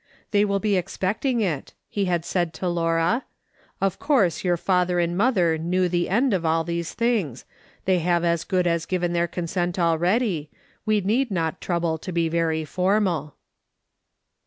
" They will be expecting it," he had said to Laura. " Of course your father and mother knew the end of all these things ; they have as good as given their con sent already, we need not trouble to be very formal."